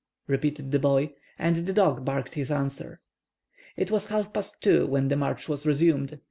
repeated the boy. And the dog barked his answer. It was half past 2 when the march was resumed.